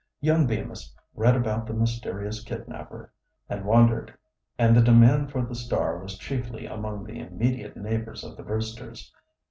Young Bemis read about the mysterious kidnapper, and wondered, and the demand for The Star was chiefly among the immediate neighbors of the Brewsters.